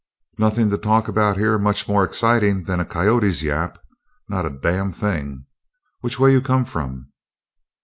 "Nothin' to talk about here much more excitin' than a coyote's yap. Not a damn thing. Which way you come from?"